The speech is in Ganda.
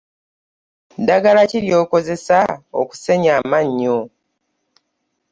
Ddagala ki lyokozesa okusenya amannyo.